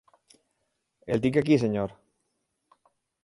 El tinc aquí, senyor.